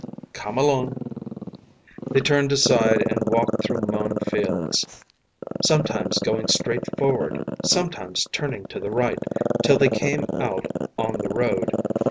” “Come along.” They turned aside and walked through mown fields, sometimes going straight forward, sometimes turning to the right, till they came out on the road.